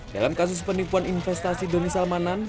dalam kasus penipuan investasi doni salmanan